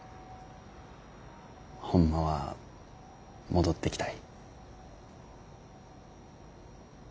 ホンマは戻ってきたい。